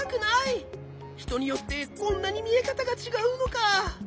ひとによってこんなにみえかたがちがうのか！